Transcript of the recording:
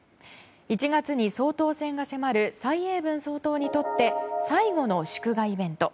１月に総統選が迫る蔡英文総統にとって最後の祝賀イベント。